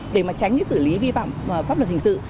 để tránh xử lý vi phạm pháp luật hình sự